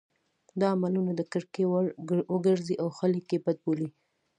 دا عملونه د کرکې وړ وګرځي او خلک یې بد بولي.